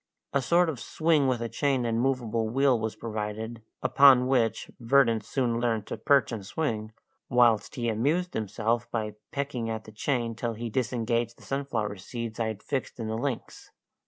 A sort of swing with a chain and movable wheel was provided, upon which Verdant soon learned to perch and swing, whilst he amused himself by pecking at the chain till he disengaged the sunflower seeds I had fixed in the links.